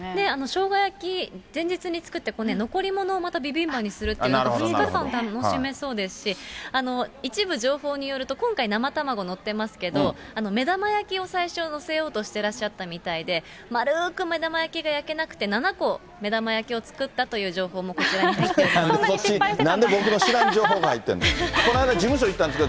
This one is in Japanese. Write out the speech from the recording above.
しょうが焼き、前日に作って、残り物をまたビビンバにするっていう、２日間楽しめそうですし、一部、情報によると、今回、生卵載ってますけど、目玉焼きを最初載せようとしてらっしゃったみたいで、丸く目玉焼きが焼けなくて、７個目玉焼きを作ったという情報もこちらに入っています。